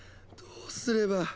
どうすれば。